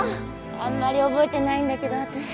あんまり覚えてないんだけど私。